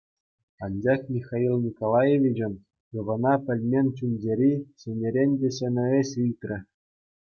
Анчах Михаил Николаевичӑн ывӑна пӗлмен чун-чӗри ҫӗнӗрен те ҫӗнӗ ĕç ыйтрӗ.